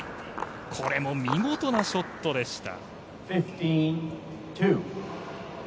これも見事なショットでした。